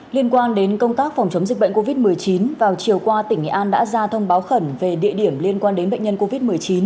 liên quan đến công tác phòng chống dịch bệnh covid một mươi chín vào chiều qua tỉnh nghệ an đã ra thông báo khẩn về địa điểm liên quan đến bệnh nhân covid một mươi chín